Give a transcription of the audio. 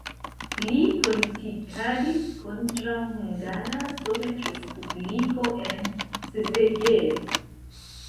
Li politikadis kontraŭ Hungara Sovetrespubliko en Szeged.